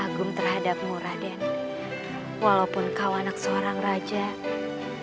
hi aku terhadap muradin walaupun kau anak seorang raja tapi kau sungguh takat untuk beribadah